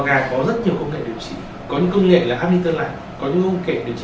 gà có rất nhiều công nghệ điều trị có những công nghệ là hấp dẫn lại có những công nghệ điều trị